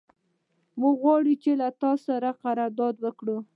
موږ غواړو چې له تا سره قرارداد وکړو.